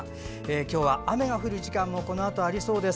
今日は雨が降る時間もこのあとありそうです。